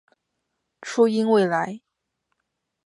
初音未来